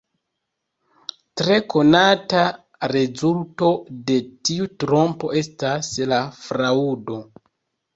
Tre konata rezulto de tiu trompo estas la fraŭdo.